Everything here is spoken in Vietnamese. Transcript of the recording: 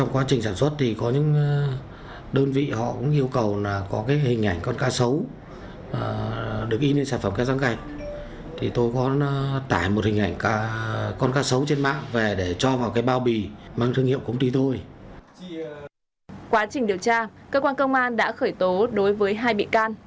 quá trình điều tra cơ quan công an đã khởi tố đối với hai bị can